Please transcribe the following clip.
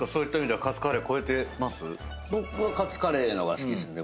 僕はカツカレーの方が好きですね。